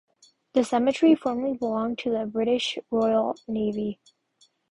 The cemetery formerly belonged to the British Royal Navy.